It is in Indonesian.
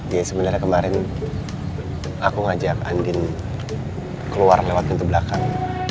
ya sebenarnya kemarin aku ngajak andin keluar lewat pintu belakang